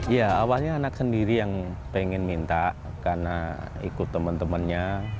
ya awalnya anak sendiri yang pengen minta karena ikut teman temannya